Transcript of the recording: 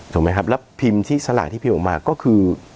ถูกไหมครับแล้วพิมพ์ที่สลากที่พิมพ์ออกมาก็คือ